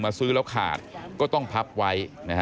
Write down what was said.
ซื้อแล้วขาดก็ต้องพับไว้